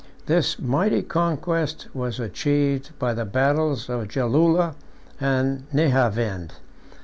This mighty conquest was achieved by the battles of Jalula and Nehavend.